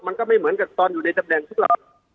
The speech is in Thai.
มันก็ไม่เหมือนกับตอนอยู่ในตำแหน่งสักหรอก